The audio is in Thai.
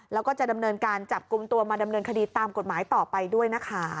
แล้วก็จะดำเนินการจับกลุ่มตัวมาดำเนินคดีตามกฎหมายต่อไปด้วยนะคะ